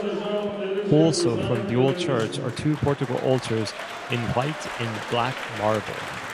Also from the old church are two portico altars in white and black marble.